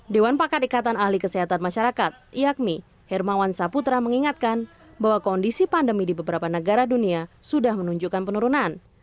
dewan pakar ikatan ahli kesehatan masyarakat yakmi hermawan saputra mengingatkan bahwa kondisi pandemi di beberapa negara dunia sudah menunjukkan penurunan